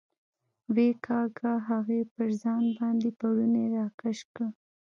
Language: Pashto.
ویې کېکاږه، هغې پر ځان باندې پوړنی را کش کړ.